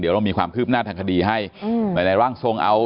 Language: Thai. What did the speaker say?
เดี๋ยวเรามีความคืบหน้าทางคดีให้อืมหลายร่างทรงเอา